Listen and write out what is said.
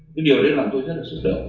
cái điều đấy làm tôi rất là xúc động